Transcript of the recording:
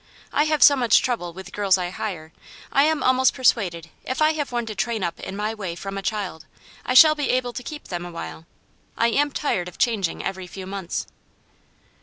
I have so much trouble with girls I hire, I am almost persuaded if I have one to train up in my way from a child, I shall be able to keep them awhile. I am tired of changing every few months."